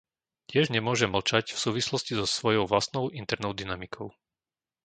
Tiež nemôže mlčať v súvislosti so svojou vlastnou internou dynamikou.